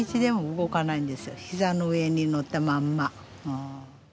膝の上に乗ったまんま。